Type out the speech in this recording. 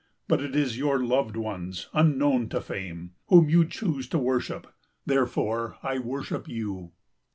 But it is your loved ones, unknown to fame, whom you choose to worship, therefore I worship you.